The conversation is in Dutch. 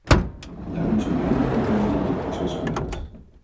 Daarom zijn beide partijen met dit proces gebaat.